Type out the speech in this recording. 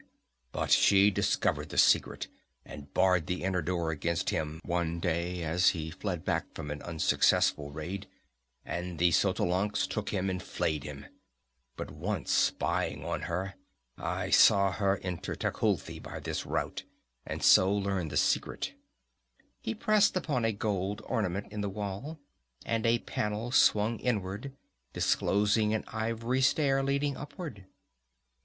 But she discovered the secret, and barred the hidden door against him one day as he fled back from an unsuccessful raid, and the Xotalancas took him and flayed him. But once, spying upon her, I saw her enter Tecuhltli by this route, and so learned the secret." He pressed upon a gold ornament in the wall, and a panel swung inward, disclosing an ivory stair leading upward.